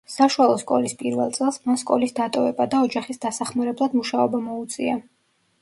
საშუალო სკოლის პირველ წელს, მას სკოლის დატოვება და ოჯახის დასახმარებლად მუშაობა მოუწია.